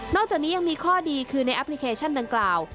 จากนี้ยังมีข้อดีคือในแอปพลิเคชันดังกล่าว